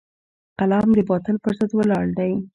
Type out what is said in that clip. قلم د باطل پر ضد ولاړ دی